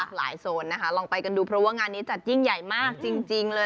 หลายโซนนะคะลองไปกันดูเพราะว่างานนี้จัดยิ่งใหญ่มากจริงเลย